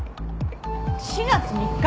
４月３日？